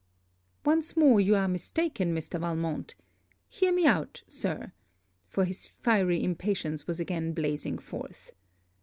'Once more, you are mistaken, Mr. Valmont. Hear me out, Sir,' for his fiery impatience was again blazing forth.